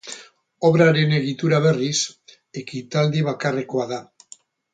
Obraren egitura berriz, ekitaldi bakarrekoa da.